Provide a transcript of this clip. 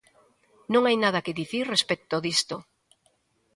Non hai nada que dicir respecto disto.